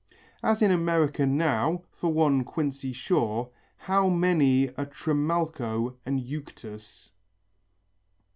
As in America now, for one Quincy Shaw, how many a Trimalcho and Euctus.